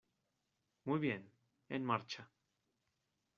Muy bien, en marcha.